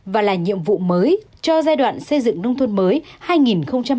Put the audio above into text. và là nhiệm vụ mới cho giai đoạn xây dựng nông thôn mới hai nghìn hai mươi hai nghìn hai mươi năm